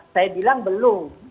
saya bilang belum